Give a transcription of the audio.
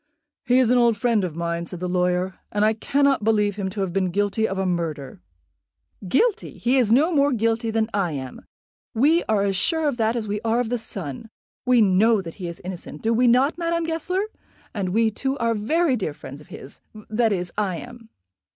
"He is an old friend of mine," said the lawyer, "and I cannot believe him to have been guilty of a murder." "Guilty! he is no more guilty than I am. We are as sure of that as we are of the sun. We know that he is innocent; do we not, Madame Goesler? And we, too, are very dear friends of his; that is, I am."